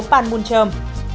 bàn muôn trờm